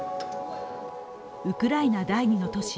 ウクライナ第二の都市